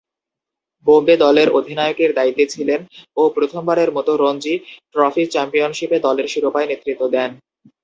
বোম্বে দলের অধিনায়কের দায়িত্বে ছিলেন ও প্রথমবারের মতো রঞ্জী ট্রফি চ্যাম্পিয়নশীপে দলের শিরোপায় নেতৃত্ব দেন।